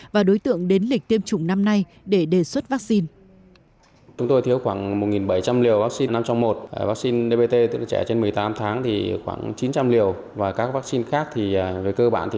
và đối tượng đến lịch tiêm chủng năm nay để đề xuất vaccine